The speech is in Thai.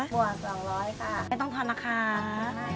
บวก๒๐๐ค่ะไม่ต้องทอนนะคะค่ะไม่